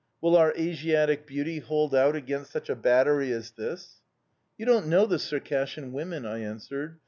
'Will our Asiatic beauty hold out against such a battery as this?' "'You don't know the Circassian women,' I answered.